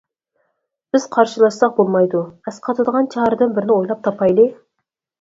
بىز قارشىلاشساق بولمايدۇ، ئەسقاتىدىغان چارىدىن بىرنى ئويلاپ تاپايلى.